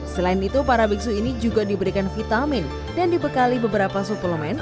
selain itu para biksu ini juga diberikan vitamin dan dibekali beberapa suplemen